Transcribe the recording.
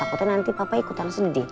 takutnya nanti papa ikutan sendi